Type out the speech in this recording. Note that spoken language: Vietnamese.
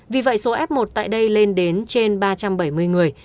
vì vậy số f một tại đây lên đến trên ba trăm bảy mươi người